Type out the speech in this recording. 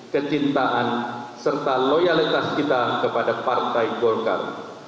kecintaan serta loyalitas kita kepada partai golkar